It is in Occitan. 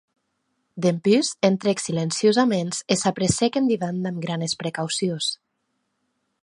Dempús entrèc silenciosaments e s’apressèc en divan damb granes precaucions.